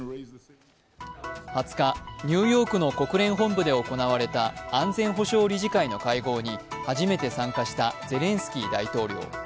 ２０日、ニューヨークの国連本部で行われた安全保障理事会の会合に初めて参加したゼレンスキー大統領。